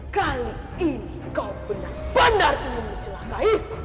kali ini kau benar benar ingin mencelakai